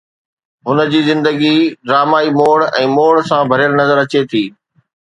هن جي زندگي ڊرامائي موڙ ۽ موڙ سان ڀريل نظر اچي ٿي